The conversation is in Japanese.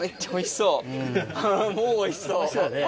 おいしそうやね。